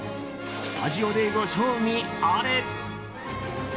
スタジオでご賞味あれ。